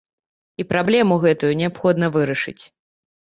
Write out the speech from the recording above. І праблему гэтую неабходна вырашаць.